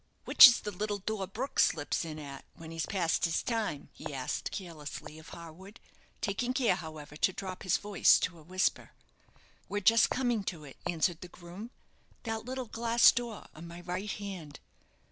"Which is the little door Brook slips in at when he's past his time?" he asked, carelessly, of Harwood, taking care, however, to drop his voice to a whisper. "We're just coming to it," answered the groom; "that little glass door on my right hand.